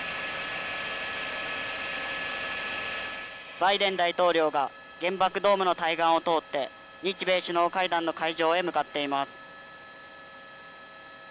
バイデン大統領が原爆ドームの対岸を通って日米首脳会談の会場へ向かっています。